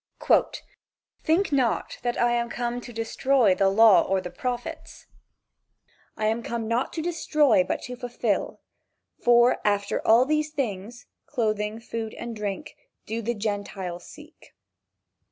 "Think not that I am come to destroy the law or the prophets, I am not come to destroy, but to fulfill." "For after all these things, (clothing, food and drink) do the Gentiles seek."